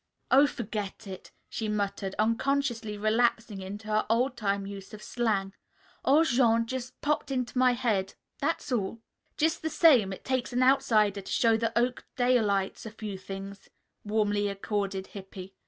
"Oh, forget it," she muttered, unconsciously relapsing into her old time use of slang. "Old Jean just happened to pop into my head. That's all." "Just the same, it takes an outsider to show the Oakdalites a few things," warmly accorded Hippy.